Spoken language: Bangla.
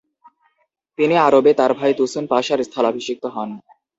তিনি আরবে তার ভাই তুসুন পাশার স্থলাভিষিক্ত হন।